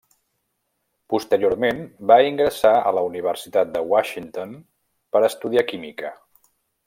Posteriorment va ingressar a la Universitat de Washington per a estudiar química.